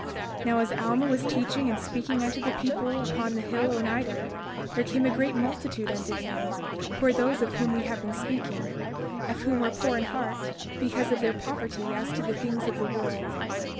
32:4 Now, as Alma was teaching and speaking unto the people upon the hill Onidah, there came a great multitude unto him, who were those of whom we have been speaking, of whom were poor in heart, because of their poverty as to the things of the world.